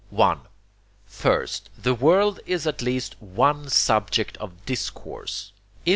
1. First, the world is at least ONE SUBJECT OF DISCOURSE.